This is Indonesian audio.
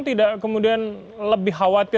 tidak kemudian lebih khawatir